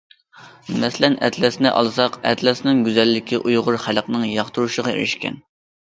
مەسىلەن، ئەتلەسنى ئالساق، ئەتلەسنىڭ گۈزەللىكى ئۇيغۇر خەلقىنىڭ ياقتۇرۇشىغا ئېرىشكەن.